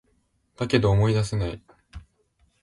だけど、思い出せない